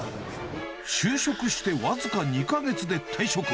就職して僅か２か月で退職。